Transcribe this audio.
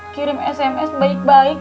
kirim sms baik baik